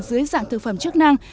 dưới dạng thực phẩm chức năng